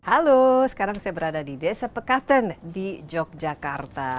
nah hallooo sekarang saya berada di desa pekaten di yogyakarta